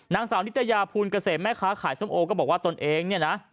นางสาวนิตยาภูลเกษมแม่ค้าขายส้มโอก็บอกว่าตนเองเนี่ยนะ